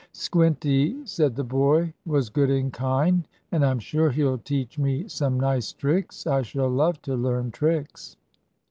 "Squinty said the boy was good and kind, and I'm sure he'll teach me some nice tricks. I shall love to learn tricks."